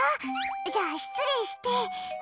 じゃあ、失礼して。